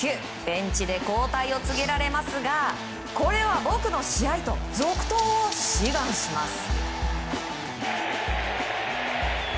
ベンチで交代を告げられますがこれは僕の試合と続投を志願します。